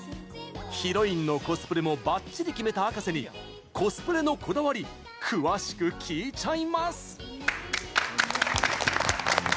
ヒロインのコスプレもばっちり決めた、あかせにコスプレのこだわり詳しく聞いちゃいます！